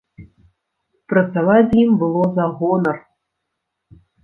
Працаваць з ім было за гонар.